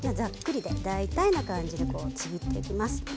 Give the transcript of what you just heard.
大体の感じでちぎっていきます。